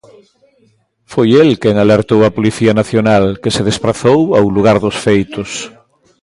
Foi el quen alertou a Policía Nacional, que se desprazou ao lugar dos feitos.